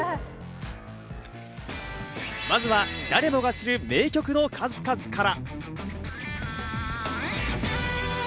まずは誰もが知る名曲の数々から。